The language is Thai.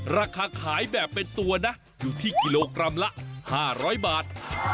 ราคาขายแบบเป็นตัวนะอยู่ที่กิโลกรัมละ๕๐๐บาท